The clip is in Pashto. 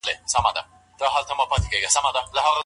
ايا اسلام ښځو ته مادي ګټې تضمین کړې؟